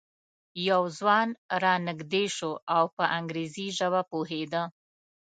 یو ځوان را نږدې شو او په انګریزي ژبه پوهېده.